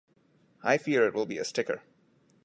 I fear it will be a sticker.